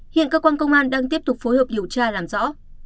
hiện cơ quan công an đang tiếp tục phối hợp điều tra làm rõ